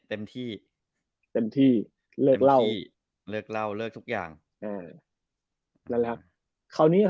เทปโรคผิดหรอ